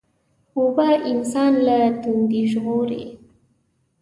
اوبه انسان له تندې ژغوري.